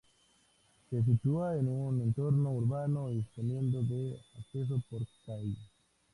Se sitúa en un entorno urbano, disponiendo de acceso por calle.